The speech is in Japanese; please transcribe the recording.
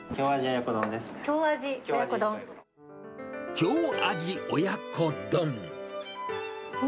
京味親子丼です。